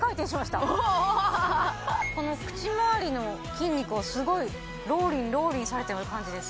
この口まわりの筋肉をスゴいローリンローリンされてる感じです